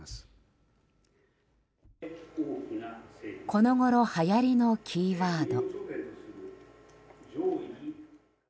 このごろはやりのキーワード。